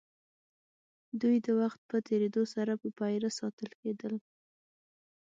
دوی د وخت په تېرېدو سره په پېره ساتل کېدل.